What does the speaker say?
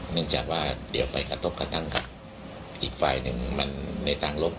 เนื่องจากว่าเดี๋ยวไปกระทบกระทั่งกับอีกฝ่ายหนึ่งมันในทางลบ